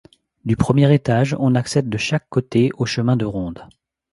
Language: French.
Du premier étage, on accède de chaque côté au chemin de ronde.